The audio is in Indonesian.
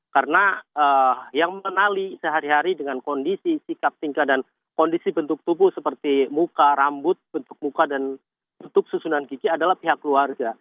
karena yang menali sehari hari dengan kondisi sikap tingkat dan kondisi bentuk tubuh seperti muka rambut bentuk muka dan bentuk susunan gigi adalah pihak keluarga